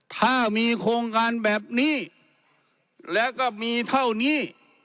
ถ้ามีโครงการแบบนี้แล้วก็มีเท่านี้